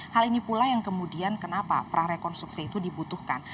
hal ini pula yang kemudian kenapa prarekonstruksi itu dibutuhkan